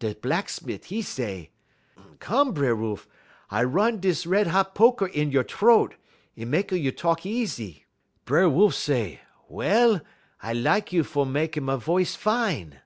Da Blacksmit', 'e say: "'Come, B'er Wolf; I run dis red hot poker in you' t'roat, 'e mekky you talk easy.' "B'er Wolf say, 'Well, I lak you for mekky me v'ice fine.'